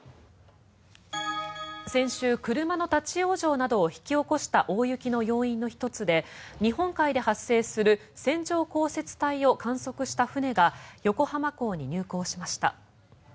先週、車の立ち往生などを引き起こした大雪の要因の１つで日本海で発生する線状降雪帯を観測した船が横浜港に入港しました。